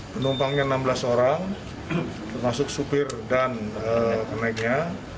penumpangnya enam belas orang termasuk sopir dan kenaiknya